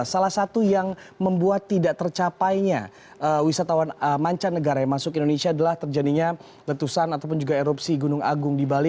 salah satu yang membuat tidak tercapainya wisatawan mancanegara yang masuk ke indonesia adalah terjadinya letusan ataupun juga erupsi gunung agung di bali